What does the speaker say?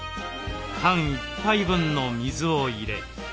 缶１杯分の水を入れ。